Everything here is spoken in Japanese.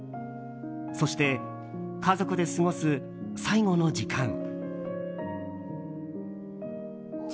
そして、家族で過ごす最期の時間。